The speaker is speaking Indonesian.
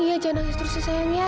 iya jangan nangis terus ya sayang ya